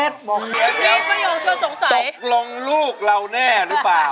ตกลงลูกเราแน่รึเปล่า